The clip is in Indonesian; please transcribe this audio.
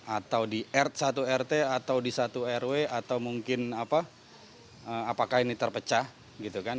atau di rt satu rt atau di satu rw atau mungkin apa apakah ini terpecah gitu kan